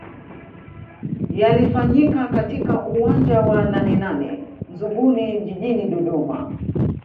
Yalifanyika katika uwanja wa Nanenane Nzuguni Jijini Dodoma